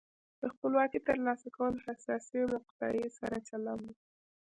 د خپلواکۍ ترلاسه کول حساسې مقطعې سره چلند و.